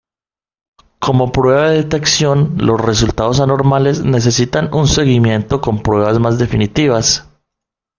Como prueba de detección, los resultados anormales necesitan un seguimiento con pruebas más definitivas.